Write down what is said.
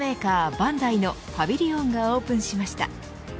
バンダイのパビリオンがオープンしました。